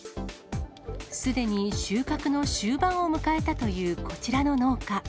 すでに収穫の終盤を迎えたというこちらの農家。